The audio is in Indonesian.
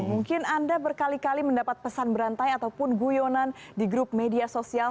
mungkin anda berkali kali mendapat pesan berantai ataupun guyonan di grup media sosial